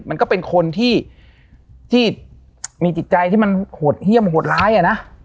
มันก็เป็นคนที่มีจิตใจที่มันโหดเยี่ยมโหดร้ายอ่ะนะ